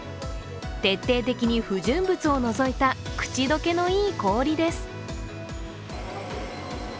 徹底的に不純物を除いた口溶けのいい氷です。